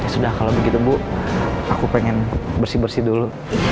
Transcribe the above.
sudah kalau begitu bu aku pengen bersih bersih dulu